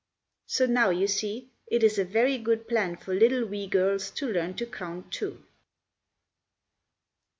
So now, you see, it is a very good plan for little wee girls to learn to count two.